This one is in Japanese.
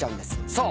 そう。